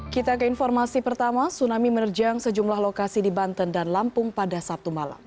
kita ke informasi pertama tsunami menerjang sejumlah lokasi di banten dan lampung pada sabtu malam